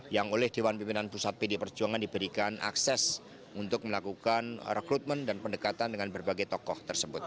yang oleh dewan pimpinan pusat pd perjuangan diberikan akses untuk melakukan rekrutmen dan pendekatan dengan berbagai tokoh tersebut